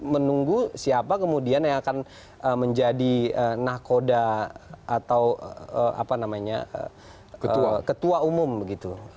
menunggu siapa kemudian yang akan menjadi nahkoda atau ketua umum begitu